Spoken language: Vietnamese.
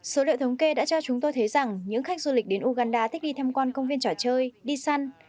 số liệu thống kê đã cho chúng tôi thấy rằng những khách du lịch đến uganda thích đi tham quan công viên trò chơi đi săn